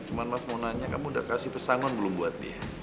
cuma mas mau nanya kamu udah kasih pesangon belum buat dia